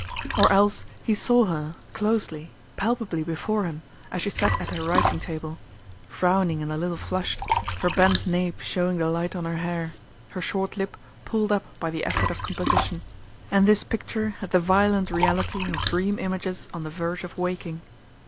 Or else he saw her, closely, palpably before him, as she sat at her writing table, frowning and a little flushed, her bent nape showing the light on her hair, her short lip pulled up by the effort of composition; and this picture had the violent reality of dream images on the verge of waking.